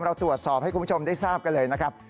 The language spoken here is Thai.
เราตรวจสอบให้คุณผู้ชมได้ทราบกันเลยนะครับ